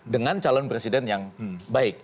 dengan calon presiden yang baik